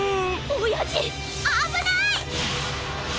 おやじあぶない！